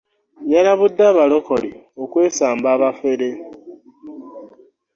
Yalabudde abalokole okwesamba abafere.